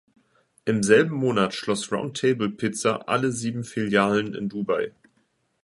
Im selben Monat schloss Round Table Pizza alle sieben Filialen in Dubai.